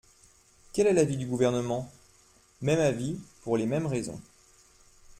Quel est l’avis du Gouvernement ? Même avis, pour les mêmes raisons.